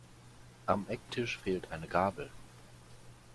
Am Ecktisch fehlt eine Gabel.